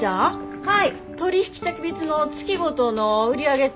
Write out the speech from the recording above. はい。